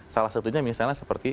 salah satunya misalnya seperti